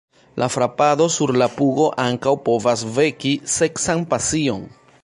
La frapado sur la pugo ankaŭ povas veki seksan pasion.